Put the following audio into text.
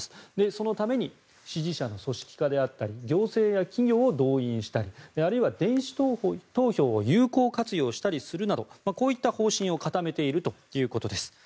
そのために支持者の組織化であったり行政や企業を動員したりあるいは、電子投票を有効活用したりするなどこういった方針を固めているということです。